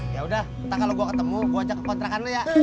yaudah entah kalau gue ketemu gue ajak ke kontrakan lo ya